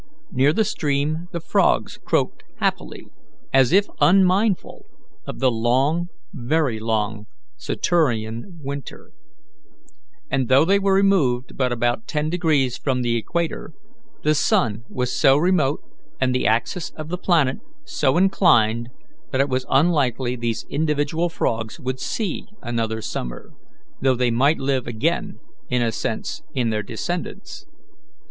Near the stream the frogs croaked happily, as if unmindful of the long very long Saturnian winter; for though they were removed but about ten degrees from the equator, the sun was so remote and the axis of the planet so inclined that it was unlikely these individual frogs would see another summer, though they might live again, in a sense, in their descendants.